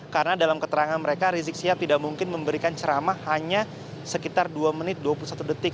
karena dalam keterangan mereka rizik syihab tidak mungkin memberikan ceramah hanya sekitar dua menit dua puluh satu detik